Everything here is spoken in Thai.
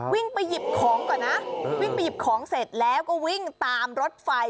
วิ่งไปหยิบของก่อนนะวิ่งไปหยิบของเสร็จแล้วก็วิ่งตามรถไฟ